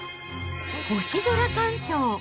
星空観賞。